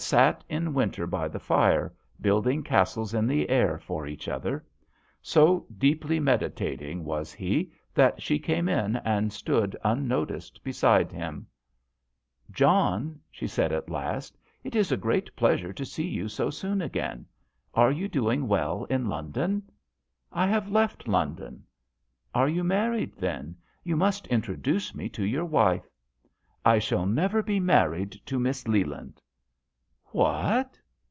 sat in winter by the fire, building castles in the air for each other. So deeply meditating was he that she came in and stood unnoticed beside him. JOHN SHERMAN. "John," she said at last, "it is a great pleasure to see you so soon again. Are you doing well in London ?"" I have left London." " Are you married, then ? You must introduce me to your wife." " I shall never be married to Miss Leland." " What